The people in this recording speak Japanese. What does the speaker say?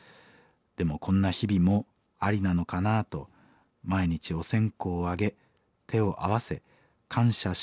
でもこんな日々もありなのかなと毎日お線香をあげ手を合わせ感謝しながらなんとか生きてます。